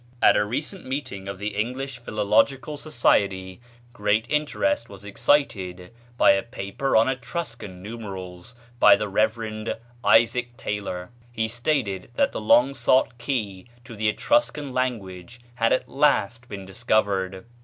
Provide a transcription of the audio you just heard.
"At a recent meeting of the English Philological Society great interest was excited by a paper on Etruscan Numerals, by the Rev. Isaac Taylor. He stated that the long sought key to the Etruscan language had at last been discovered.